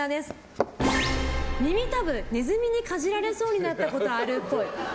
耳たぶ、ネズミにかじられそうになったことあるっぽい。